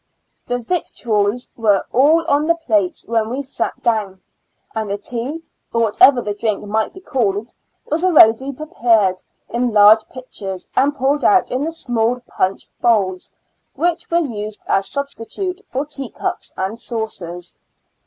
The victnals were all on the plates when we sat down, and the tea, or whatever the drink might be called, was already prepared in large pitchers, and poured out in small punch bowls, which were used as a substitute for tea cups and saucers.